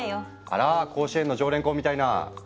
あら甲子園の常連校みたいな。